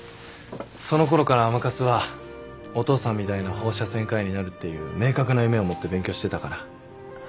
そのころから甘春はお父さんみたいな放射線科医になるっていう明確な夢を持って勉強してたから。